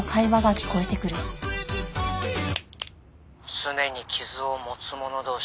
「すねに傷を持つ者同士」